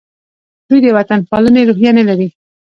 دوی د وطن پالنې روحیه نه لري.